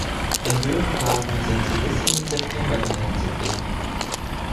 In höheren Lagen sind sie bis in den September hinein zu finden.